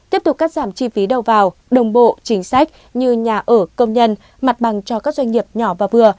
tiếp tục cắt giảm chi phí đầu vào đồng bộ chính sách như nhà ở công nhân mặt bằng cho các doanh nghiệp nhỏ và vừa